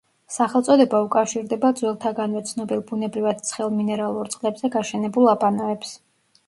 სახელწოდება უკავშირდება ძველთაგანვე ცნობილ ბუნებრივად ცხელ მინერალურ წყლებზე გაშენებულ აბანოებს.